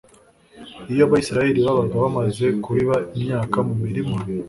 iyo abayisraheli babaga bamaze kubiba imyaka mu mirima